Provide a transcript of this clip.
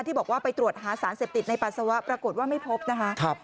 ที่บอกว่าไปตรวจหาสารเสพติดในปัสสาวะปรากฏว่าไม่พบนะคะ